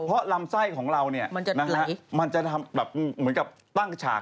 เพราะลำไส้ของเรามันจะทำเหมือนกับตั้งฉาก